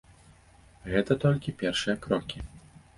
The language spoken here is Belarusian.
Гэта толькі першыя крокі.